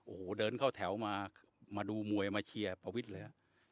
โอ้โหเดินเข้าแถวมาดูมวยมาเชียร์ปวิศเลยครับ